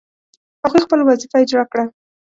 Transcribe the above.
هغوی خپله وظیفه اجرا کړه.